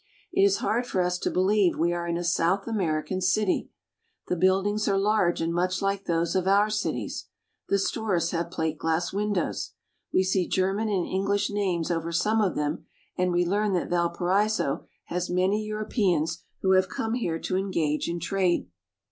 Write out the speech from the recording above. It is hard for us to believe we are in a South American city. The buildings are large and much like those of our cities. The stores have plate glass windows. We see German and English names over some of them, and we learn that Valparaiso has many Europeans who have come here to engage in trade.